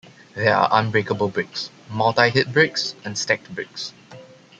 There are unbreakable bricks, multi-hit bricks and stacked bricks.